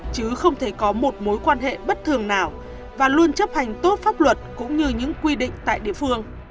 chứ không thể có một mối quan hệ bất thường nào và luôn chấp hành tốt pháp luật cũng như những quy định tại địa phương